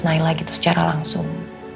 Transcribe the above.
naila gitu secara langsung